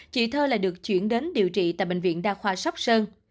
chị thơ lại được chuyển đến điều trị tại bệnh viện đa khoa sóc sơn